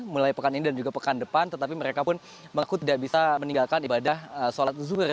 mulai pekan ini dan juga pekan depan tetapi mereka pun mengaku tidak bisa meninggalkan ibadah sholat zuhur